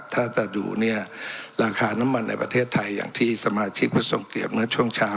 ถ้าจะดูเนี่ยราคาน้ำมันในประเทศไทยอย่างที่สมาชิกผู้ทรงเกียจเมื่อช่วงเช้า